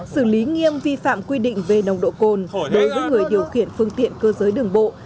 xử lý nghiêm vi phạm quy định về nồng độ cồn đối với người điều khiển phương tiện cơ giới đường bộ